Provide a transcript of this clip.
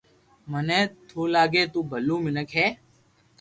مني توو لاگي ھي تو ڀلو مينڪ ھي